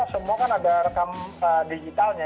semua kan ada rekam digitalnya